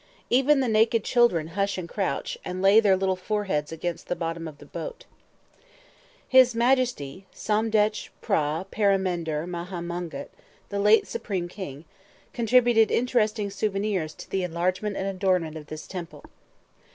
Even the naked children hush and crouch, and lay their little foreheads against the bottom of the boat. His Majesty Somdetch P'hra Paramendr Maha Mongkut, the late Supreme King, contributed interesting souvenirs to the enlargement and adornment of this temple.